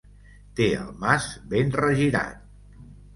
Té el mas ben regirat.